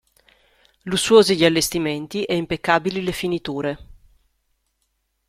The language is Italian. Lussuosi gli allestimenti e impeccabili le finiture.